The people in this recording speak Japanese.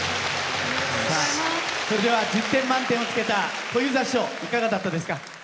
それでは１０点満点をつけた小遊三師匠いかがだったですか？